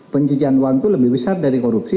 pencucian uang itu lebih besar dari korupsi